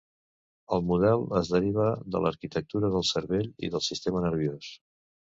El model es deriva de l'arquitectura del cervell i del sistema nerviós.